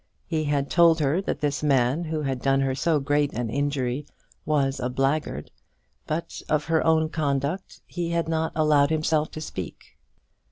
He had told her that this man, who had done her so great an injury, was a blackguard; but of her own conduct he had not allowed himself to speak.